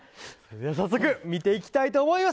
早速見ていきたいと思います。